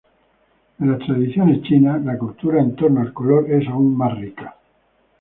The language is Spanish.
En las tradiciones chinas, la cultura en torno al color es aún más rica.